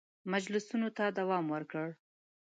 مجلسونو ته دوام ورکړ.